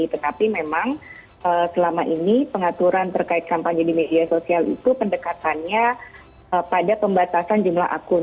tetapi memang selama ini pengaturan terkait kampanye di media sosial itu pendekatannya pada pembatasan jumlah akun